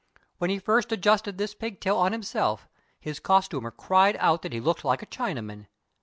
When he first adjusted this pigtail on himself, his costumer cried out that he looked like a Chinaman.